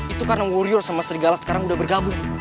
itu karena warrior sama serigala sekarang udah bergabung